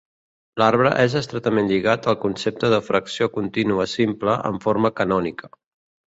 L'arbre és estretament lligat al concepte de fracció contínua simple en forma canònica.